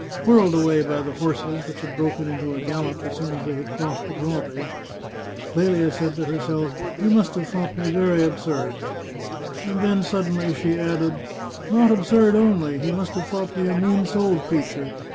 Whirled away by the horses, which had broken into a gallop as soon as they had crossed the drawbridge, Clelia said to herself, " He must have thought me very absurd "; and then suddenly she added :" Not absurd only. He must have thought me a mean souled creature.